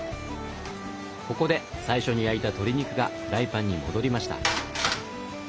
ここで最初に焼いた鶏肉がフライパンに戻りました。